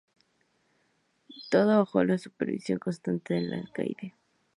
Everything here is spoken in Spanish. Todo bajo la supervisión constante del alcaide.